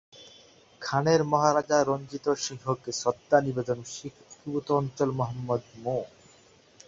খানের মহারাজা রঞ্জিত সিংকে শ্রদ্ধা নিবেদন এবং শিখ একীভূত অঞ্চল মোহাম্মদ মো।